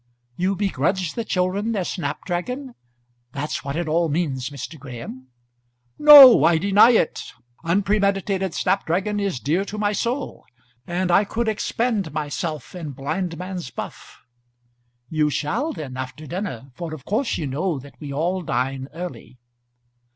"You begrudge the children their snap dragon. That's what it all means, Mr. Graham." "No; I deny it; unpremeditated snap dragon is dear to my soul; and I could expend myself in blindman's buff." "You shall then, after dinner; for of course you know that we all dine early."